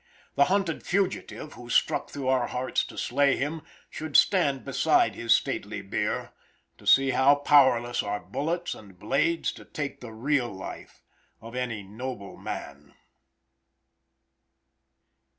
The hunted fugitive who struck through our hearts to slay him, should stand beside his stately bier to see how powerless are bullets and blades to take the real life of any noble man!